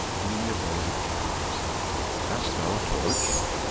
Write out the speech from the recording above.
IN THE ABODE OF KINGS. "Hast thou a torch?"